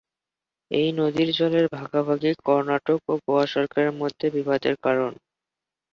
এই নদীর জলের ভাগাভাগি কর্ণাটক ও গোয়া সরকারের মধ্যে বিবাদের কারণ।